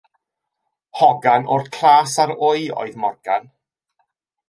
Hogan o'r Clas-ar-wy oedd Morgan.